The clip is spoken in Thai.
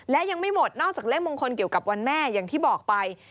และยังไม่หมดนอกจากเลขมงคลเกี่ยวกับวันแม่อย่างที่บอกไป